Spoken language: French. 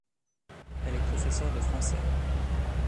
Elle est professeur de français.